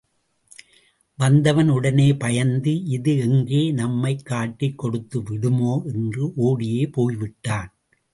வந்தவன் உடனே பயந்து, இது எங்கே நம்மைக் காட்டிக் கொடுத்து விடுமோ என்று ஒடியே போய்விட்டான்.